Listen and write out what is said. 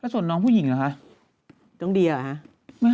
ส่วนน้องผู้หญิงเหรอคะน้องเดียเหรอคะ